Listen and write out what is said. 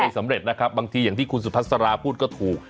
สำเร็จนะครับบางทีอย่างที่คุณสุภาษาราพูดก็ถูก